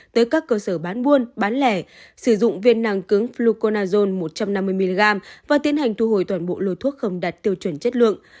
tới các cơ sở bán buôn bán lẻ sử dụng viên năng cứng fluconazon một trăm năm mươi mg và tiến hành thu hồi toàn bộ lô thuốc không đạt tiêu chuẩn chất lượng